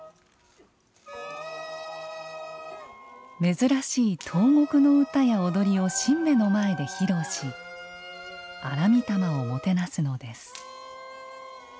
珍しい東国の歌や踊りを神馬の前で披露し荒御霊をもてなすのです。